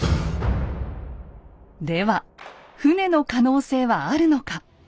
では船の可能性はあるのか。